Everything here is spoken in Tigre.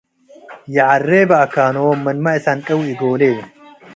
ይዐሬበ አካኖም ምንመ እሰንቄ ወእጎሌ